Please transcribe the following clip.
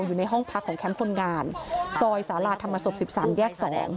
อยู่ในห้องพักของแคมป์คนงานซอยสาราธรรมศพ๑๓แยก๒